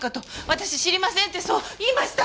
私知りませんってそう言いました。